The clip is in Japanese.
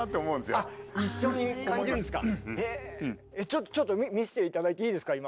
ちょっとちょっと見せて頂いていいですか？